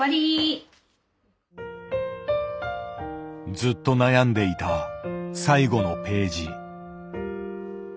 ずっと悩んでいた最後のページ。